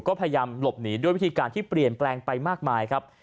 ก็พยายามหลบหนีด้วยวิธีการที่เปลี่ยนแปลงไปมากมายครับ